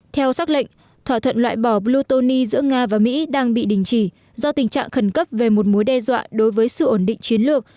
theo xác lệnh thỏa thuận loại bỏ blutoni giữa nga và mỹ đang bị đình chỉ do tình trạng khẩn cấp về một mối đe dọa đối với sự ổn định chiến lược